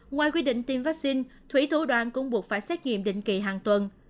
ngoài quy định tiêm vaccine thủy thủ đoàn cũng buộc phải xét nghiệm định kỳ hàng tuần